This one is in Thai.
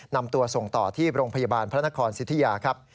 นำตัวส่งต่อที่โรงพยาบาลพระนครสิทธิยาครับ